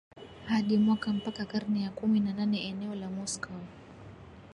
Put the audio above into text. hadi mwaka Mpaka karne ya kumi na nane eneo la Moscow